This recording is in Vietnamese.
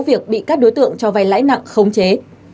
việc bị các đối tượng cho vay lãi nặng khống chế